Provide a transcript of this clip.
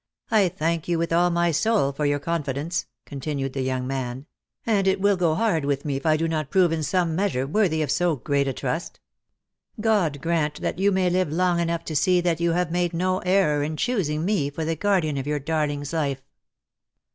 " I thank you with all my soul for your confidence," continued the young man, " and it will go hard with me if I do not prove in some measure worthy of so great a trust. God grant that you may live long enough to see that you have made no error in choosing me for the guardian of your darling's life."